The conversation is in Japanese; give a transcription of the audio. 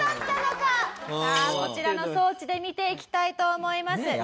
さあこちらの装置で見ていきたいと思います。